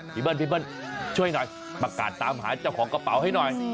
เบิ้ลพี่เบิ้ลช่วยหน่อยประกาศตามหาเจ้าของกระเป๋าให้หน่อย